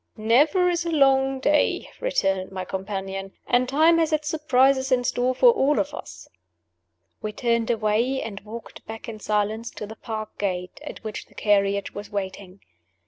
"Never is a long day," returned my companion. "And time has its surprises in store for all of us." We turned away, and walked back in silence to the park gate, at which the carriage was waiting.